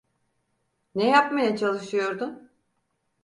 Ne yapmaya çalışıyordun?